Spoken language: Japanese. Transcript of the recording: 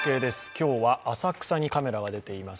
今日は浅草にカメラが出ています。